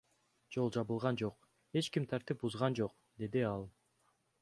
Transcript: Жол жабылган жок, эч ким тартип бузган жок, — деди ал.